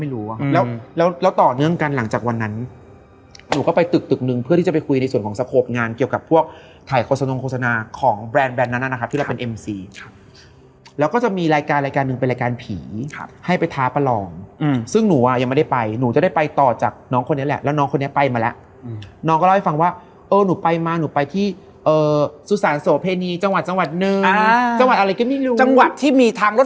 แล้วหนูก็พูดกับกับกับคุณออยอ่าว่าคุณออยห้องน้ำกลุกอยู่น่ะอืม